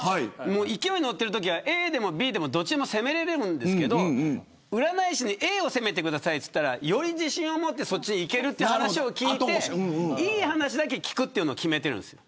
勢いに乗っているときはＡでもＢでもいいんですけど占い師がＡを攻めてくださいと言ったらより自信を持って攻められるという話を聞いていい話だけ聞くというのを決めてます。